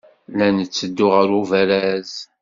La netteddu ɣer ubaraz.